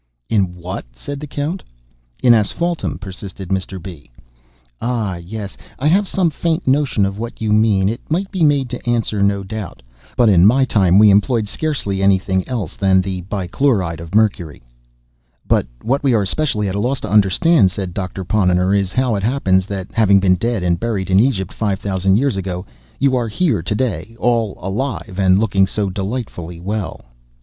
"In what?" said the Count. "In asphaltum," persisted Mr. B. "Ah, yes; I have some faint notion of what you mean; it might be made to answer, no doubt—but in my time we employed scarcely any thing else than the Bichloride of Mercury." "But what we are especially at a loss to understand," said Doctor Ponnonner, "is how it happens that, having been dead and buried in Egypt five thousand years ago, you are here to day all alive and looking so delightfully well."